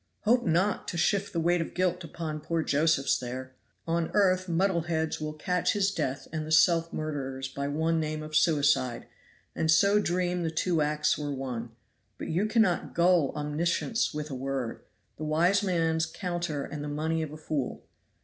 "Hope not to shift the weight of guilt upon poor Josephs there. On earth muddle heads will call his death and the self murderer's by one name of 'suicide,' and so dream the two acts were one; but you cannot gull Omniscience with a word the wise man's counter and the money of a fool.